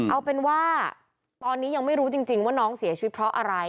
เอาเป็นว่าตอนนี้ยังไม่รู้จริงว่าน้องเสียชีวิตเพราะอะไร